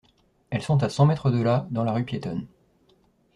Elles sont à cent mètres de là, dans la rue piétonne.